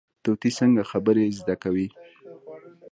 طوطي څنګه خبرې زده کوي؟